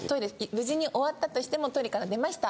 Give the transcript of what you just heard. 無事に終わったとしてもトイレから出ました。